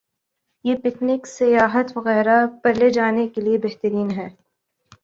۔ یہ پکنک ، سیاحت وغیرہ پرلے جانے کے لئے بہترین ہے۔